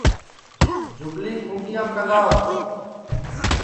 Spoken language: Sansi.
جھُگلی کھُونٚٹِیام ٹگاو